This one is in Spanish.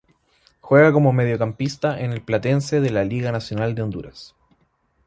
Juega como mediocampista en el Platense de la Liga Nacional de Honduras.